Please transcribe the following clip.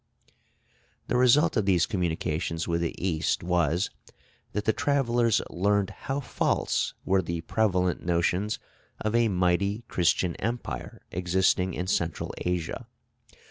The result of these communications with the East was, that the travellers learned how false were the prevalent notions of a mighty Christian empire existing in Central Asia.